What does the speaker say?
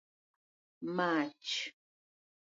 mach